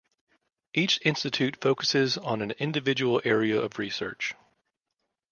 Each institute focuses on an individual area of research.